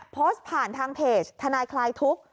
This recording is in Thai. โพสต์ผ่านทางเพจทนายคลายทุกข์